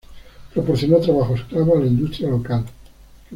Proporcionó trabajo esclavo a la industria local.